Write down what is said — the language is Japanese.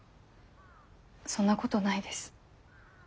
そんなことないです。